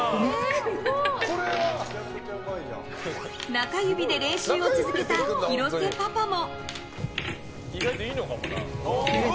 中指で練習を続けた廣瀬パパも。